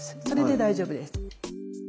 それで大丈夫です。